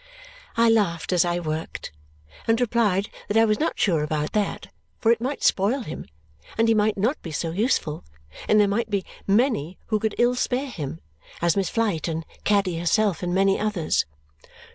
I laughed as I worked and replied that I was not sure about that, for it might spoil him, and he might not be so useful, and there might be many who could ill spare him. As Miss Flite, and Caddy herself, and many others.